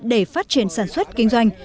để phát triển sản xuất kinh doanh